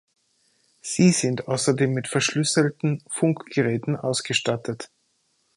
Sie sind außerdem mit verschlüsselten Funkgeräten ausgestattet.